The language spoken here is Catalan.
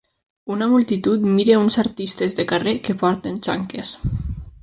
Una multitud mira uns artistes de carrer que porten xanques.